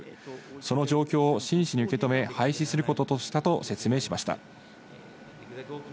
その状況を真摯に受け止め廃止することとしたと説明しました。